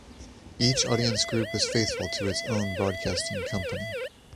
Each audience group was faithful to its own broadcasting company.